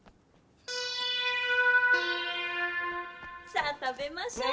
さあ食べましょう！